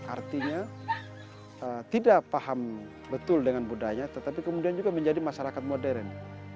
artinya tidak paham betul dengan budaya tetapi kemudian juga menjadi masyarakat modern